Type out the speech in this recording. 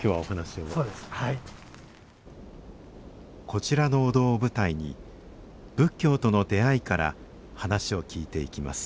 こちらのお堂を舞台に仏教との出会いから話を聞いていきます